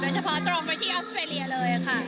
เฉพาะตรงไปที่ออสเตรเลียเลยค่ะ